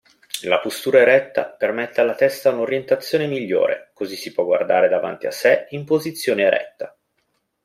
La postura eretta permette alla testa un'orientazione migliore così si può guardare davanti a sé in posizione eretta.